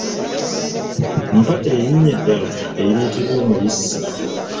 Mpa erinnya eddala eriyitibwa omubisi?